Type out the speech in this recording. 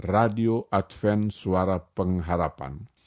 radio advent suara pengharapan